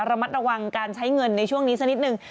ระมัดระวังการใช้เงินในช่วงนี้สักนิดนึง